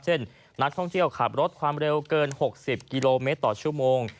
นักท่องเที่ยวขับรถความเร็วเกิน๖๐กิโลเมตรต่อชั่วโมง